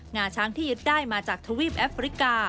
งาช้างที่ยึดได้มาจากทวีปแอฟริกา